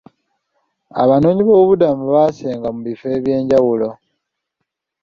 Abanoonyiboobubudamu baasenga mu bifo ebyenjawulo.